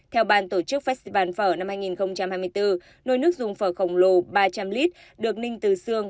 theo ban tổ chức festival phở năm hai nghìn hai mươi bốn nôi nước dùng phở khổng lồ ba trăm linh lít được ninh từ xương